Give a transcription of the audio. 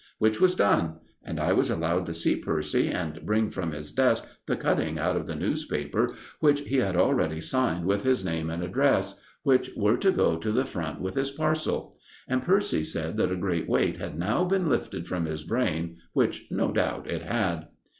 Which was done, and I was allowed to see Percy, and bring from his desk the cutting out of the newspaper, which he had already signed with his name and address, which were to go to the Front with his parcel. And Percy said that a great weight had now been lifted from his brain, which no doubt it had.